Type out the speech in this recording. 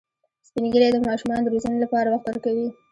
سپین ږیری د ماشومانو د روزنې لپاره وخت ورکوي